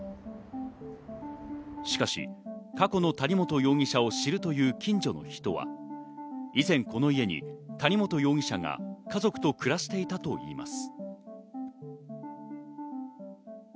しかし過去の谷本容疑者を知るという近所の人は、以前、この家に谷本容疑者が家族と暮らしていたといいます。